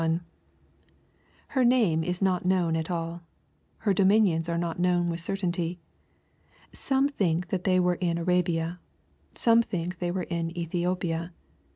Her name is not known at alL Her dominions are not known with certainty. Some think that they were in Arabia. Some think that they were in Ethhopia.